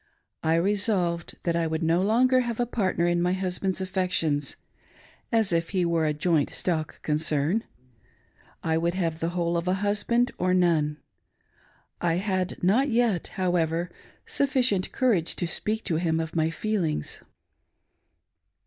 I resolved that I would, no longer have a partner in my husband's affections^as if he were a "joint stock concern !"— I would have the whole of a husband, or none. 1 had not yet, however, sufficient courage to speak to him of my f eeUngs.